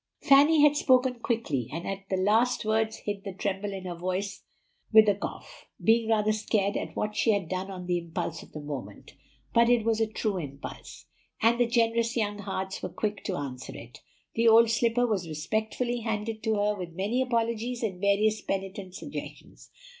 Fanny had spoken quickly, and at the last words hid the tremble in her voice with a cough, being rather scared at what she had done on the impulse of the moment. But it was a true impulse, and the generous young hearts were quick to answer it. The old slipper was respectfully handed to her with many apologies and various penitent suggestions.